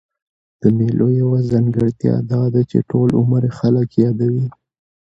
د مېلو یوه ځانګړتیا دا ده، چي ټول عمر ئې خلک يادوي.